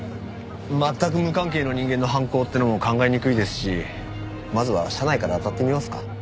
全く無関係の人間の犯行ってのも考えにくいですしまずは社内から当たってみますか。